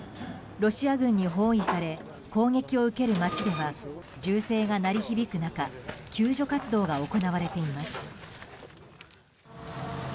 ロシア軍に包囲され攻撃を受ける街では銃声が鳴り響く中救助活動が行われています。